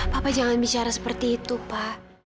papa jangan bicara seperti itu pa